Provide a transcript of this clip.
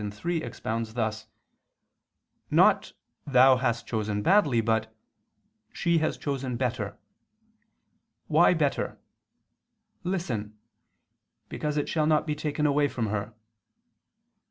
ciii) expounds thus: "Not Thou hast chosen badly but She has chosen better. Why better? Listen because it shall not be taken away from her.